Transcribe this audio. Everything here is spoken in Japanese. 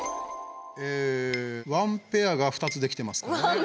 ワンペアが２つできてますね。